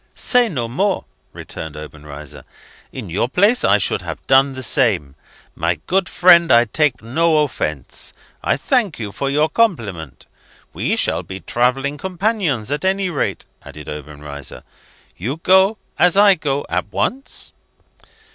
"Say no more!" returned Obenreizer. "In your place I should have done the same. My good friend, I take no offence. I thank you for your compliment. We shall be travelling companions, at any rate," added Obenreizer. "You go, as I go, at once?"